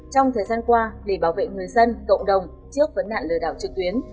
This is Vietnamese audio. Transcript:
trong thời gian qua để bảo vệ người dân cộng đồng trước vấn nạn lừa đảo trực tuyến